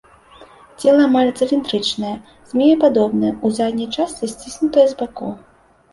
Цела амаль цыліндрычнае, змеепадобнае, у задняй частцы сціснутае з бакоў.